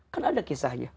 kan ada kisahnya